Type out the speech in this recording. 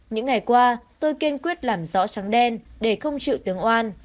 những ngày qua tôi kiên quyết làm rõ trắng đen để không chịu tướng oan